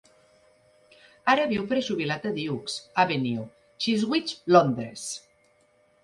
Ara viu prejubilat a Duke's Avenue, Chiswick, Londres.